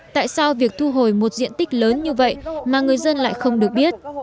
tại sao việc thu hồi một diện tích lớn như vậy mà người dân lại không được biết